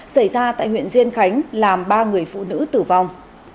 xảy ra tại huyện diên khánh làm ba người phụ nữ tử vong